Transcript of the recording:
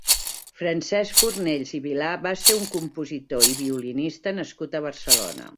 Francesc Fornells i Vilar va ser un compositor i violinista nascut a Barcelona.